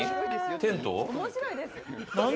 テント？